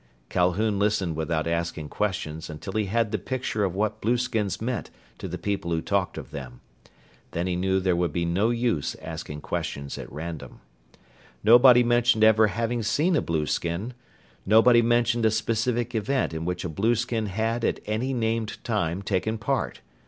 Calhoun listened without asking questions until he had the picture of what blueskins meant to the people who talked of them. Then he knew there would be no use asking questions at random. Nobody mentioned ever having seen a blueskin. Nobody mentioned a specific event in which a blueskin had at any named time taken part.